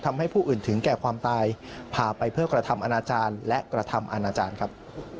ทำให้ผู้อื่นถึงแก่ความตายพาไปเพื่อกระทำอนาจารย์และกระทำอาณาจารย์ครับ